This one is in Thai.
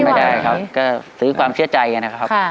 ไม่ได้ครับก็ซื้อความเชื่อใจนะครับ